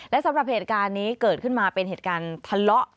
และสำหรับเหตุการณ์นี้เกิดขึ้นมาเป็นเหตุการณ์ทะเลาะ